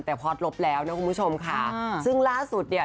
แต่พอสลบแล้วนะคุณผู้ชมค่ะซึ่งล่าสุดเนี่ย